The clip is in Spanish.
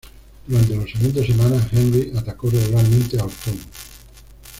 Durante las siguientes semanas, Henry atacó regularmente a Orton.